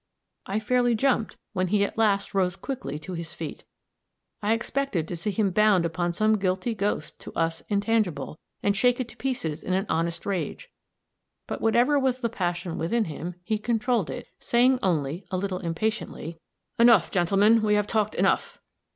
I fairly jumped, when he at last rose quickly to his feet; I expected to see him bound upon some guilty ghost to us intangible, and shake it to pieces in an honest rage; but whatever was the passion within him, he controlled it, saying only, a little impatiently, "Enough, gentlemen, we have talked enough!